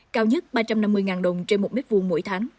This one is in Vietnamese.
cao nhất ba trăm năm mươi đồng trên một m hai mỗi tháng